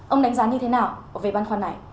ông đánh giá như thế nào về bản khoan này